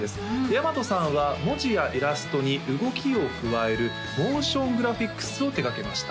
大和さんは文字やイラストに動きを加えるモーショングラフィックスを手がけました